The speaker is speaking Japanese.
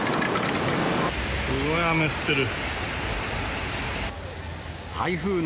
すごい雨降ってる。